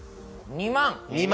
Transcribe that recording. ２万！